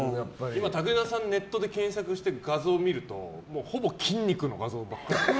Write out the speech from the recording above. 今、武田さんをネットで検索して画像を見るとほぼ筋肉の画像ばっかり。